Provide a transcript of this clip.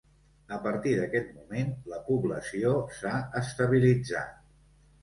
A partir d'aquest moment la població s'ha estabilitzat.